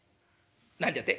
「何じゃって？」。